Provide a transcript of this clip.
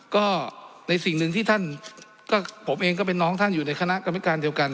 ก็ในสิ่งหนึ่งที่ท่านก็ผมเองก็เป็นน้องท่านอยู่ในคณะกรรมการเดียวกัน